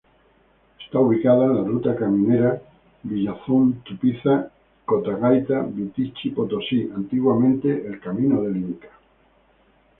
Está ubicada en la ruta caminera Villazón-Tupiza-Cotagaita-Vitichi-Potosí, antiguamente el ""camino del inca"".